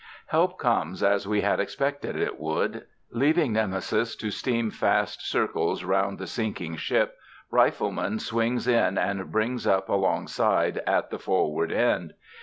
Help comes as we had expected it would. Leaving Nemesis to steam fast circles round the sinking ship, Rifleman swings in and brings up alongside at the forward end.